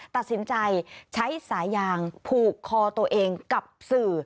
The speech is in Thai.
ตัดสินใจใช้สายยางผูกคอตัวเองกับสื่อ